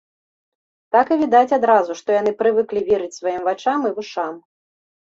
Так і відаць адразу, што яны прывыклі верыць сваім вачам і вушам.